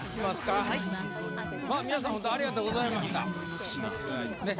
皆さんありがとうございました作っていただいてね。